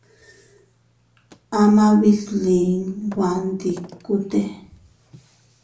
Amaa bislin baʼandikute.